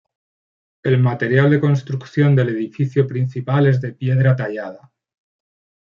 El material de construcción del edificio principal es de piedra tallada.